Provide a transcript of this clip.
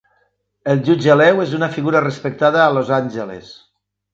El jutge Lew és una figura respectada a Los Angeles.